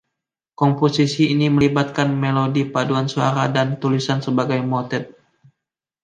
Komposisi ini melibatkan melodi paduan suara dan tulisan sebagai motet.